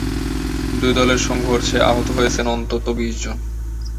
দুই দলের সংঘর্ষে আহত হয়েছেন অন্তত বিশ জন।